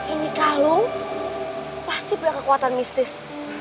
ini kalung pasti punya kekuatan mistis